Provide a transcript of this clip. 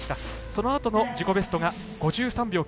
そのあとの自己ベストが５３秒９８